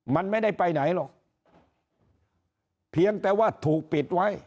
มันไม่ได้ไปไหนหรอกเพียงแต่ว่าถูกปิดไว้